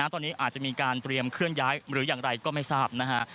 ตอนนี้อาจจะมีการเตรียมเคลื่อนย้ายหรืออย่างไรก็ไม่ทราบนะฮะ